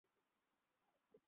অনেক ধন্যবাদ, ডাক্তার।